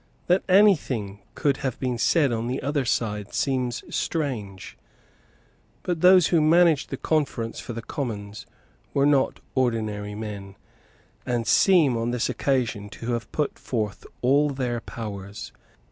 That any thing could have been said on the other side seems strange; but those who managed the conference for the Commons were not ordinary men, and seem on this occasion to have put forth all their powers.